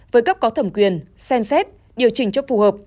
với cấp có thẩm quyền xem xét điều chỉnh cho phù hợp